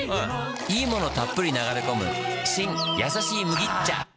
いいものたっぷり流れ込む新やさしい麦茶。